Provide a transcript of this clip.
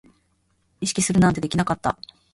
意識するなんてできなかった